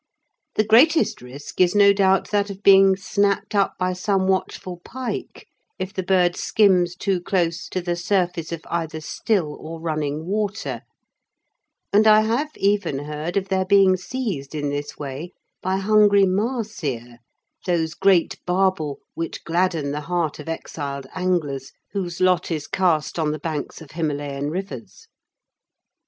The greatest risk is no doubt that of being snapped up by some watchful pike if the bird skims too close to the surface of either still or running water, and I have even heard of their being seized in this way by hungry mahseer, those great barbel which gladden the heart of exiled anglers whose lot is cast on the banks of Himalayan rivers.